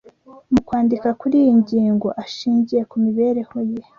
Mu kwandika kuri iyi ngingo ashingiye ku mibereho ye